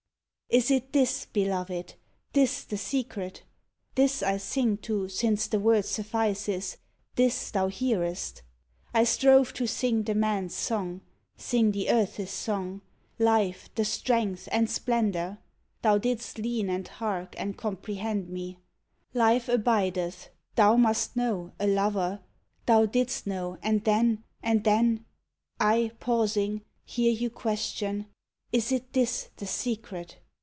Is it this, Beloved, this the secret ? This I sing to, since the word suffices, This thou hearest ? I strove to sing the man's song, Sing the earth's song, Life, the strength and splendour ! Thou did'st lean and hark and comprehend me : Life abideth, thou must know a lover ! Thou did'st know and then, and then I, pausing, Hear you question, "Is it this, the secret